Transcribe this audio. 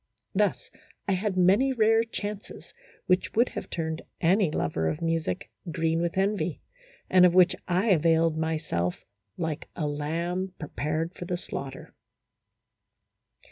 Thus I had many rare chances which would have turned any lover of music green with envy, and of which I availed myself like a lamb prepared for the slaughter.